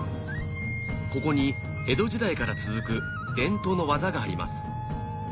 ここに江戸時代から続く伝統の技があります